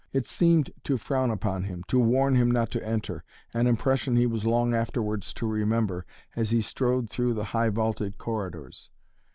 It seemed to frown upon him, to warn him not to enter, an impression he was long afterwards to remember, as he strode through the high vaulted corridors.